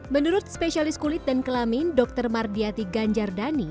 menurut spesialis kulit dan kelamin dr mardiati ganjardani